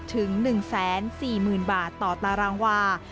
ถึง๑๔๐๐๐บาทต่อตารางวา